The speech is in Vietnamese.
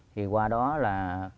thì qua đó là